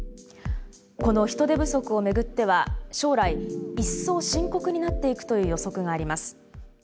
この人手不足をめぐっては将来一層、深刻になっていくという予測があります。